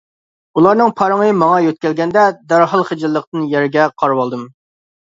ئۇلارنىڭ پارىڭى ماڭا يۆتكەلگەندە، دەرھال خىجىللىقتىن يەرگە قارىۋالدىم.